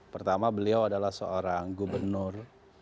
pertama beliau adalah seorang gubernur